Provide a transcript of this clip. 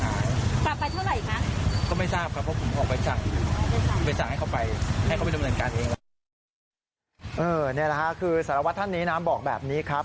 นี่แหละค่ะคือสารวัตรท่านนี้นะบอกแบบนี้ครับ